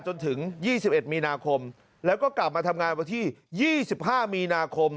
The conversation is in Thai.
จนถึง๒๑มีนาคมแล้วก็กลับมาทำงานวันที่๒๕มีนาคม